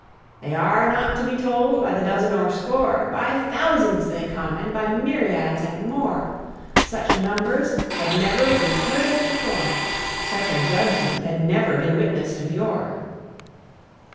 They are not to be told by the dozen or score; By thousands they come, and by myriads and more; Such numbers had never been heard of before, Such a judgment had never been witnessed of yore.